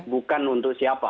bukan untuk siapa